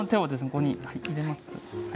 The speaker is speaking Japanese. ここに入れます。